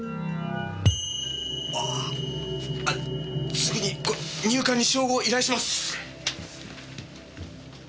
すぐに入管に照合を依頼します。